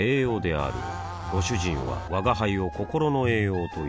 あぁご主人は吾輩を心の栄養という